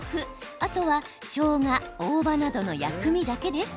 あとは、しょうが、大葉などの薬味だけです。